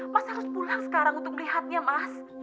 mas harus pulang sekarang untuk melihatnya mas